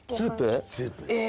え！